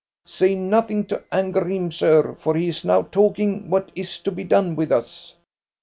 Say nothing to anger him, sir, for he is now talking what is to be done with us."